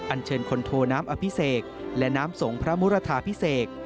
เชิญคนโทน้ำอภิเษกและน้ำสงฆ์พระมุรทาพิเศษ